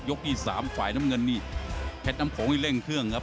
ยกที่๓ฝ่ายน้ำเงินเนี่ยแพ็ดน้ำโขลงเล่นเครื่องครับ